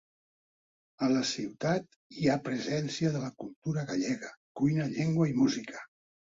A la ciutat hi ha presència de la cultura gallega: cuina, llengua i música.